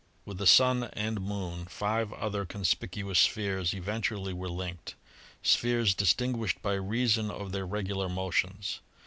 With the Sun and Moon five other conspicuous spheres eventually were linked, spheres distinguished by reason of their regular motions.